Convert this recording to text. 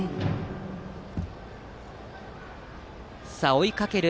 追いかける